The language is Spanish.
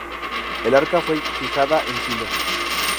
El arca fue fijada en Silo.